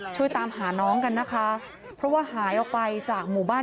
ช่วยตามหาน้องกันนะคะเพราะว่าหายออกไปจากหมู่บ้าน